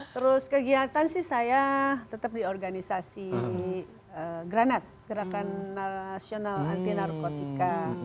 terus kegiatan sih saya tetap di organisasi granat gerakan nasional anti narkotika